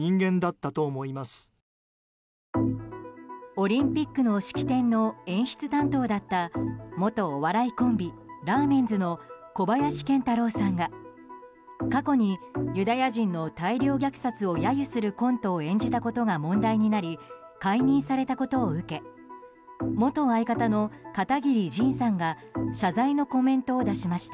オリンピックの式典の演出担当だった元お笑いコンビラーメンズの小林賢太郎さんが過去にユダヤ人の大量虐殺を揶揄するコントを演じたことが問題になり解任されたことを受け元相方の片桐仁さんが謝罪のコメントを出しました。